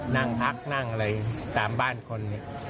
นั่งพักนั่งอะไรตามบ้านคน